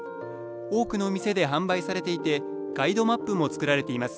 多くの店で販売されていてガイドマップも作られています。